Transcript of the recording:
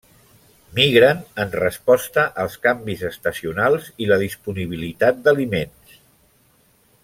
Migren en resposta als canvis estacionals i la disponibilitat d'aliments.